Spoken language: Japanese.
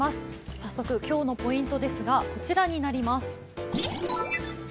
早速今日のポイント、こちらになります。